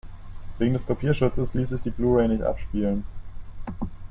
Wegen des Kopierschutzes ließ sich die Blu-ray nicht abspielen.